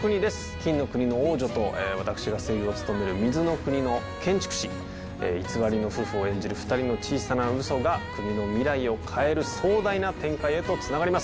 金の国の王女と私が声優を務める水の国の建築士偽りの夫婦を演じる２人の小さなウソが国の未来を変える壮大な展開へとつながります。